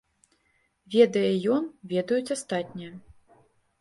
Ведае ён, ведаюць астатнія.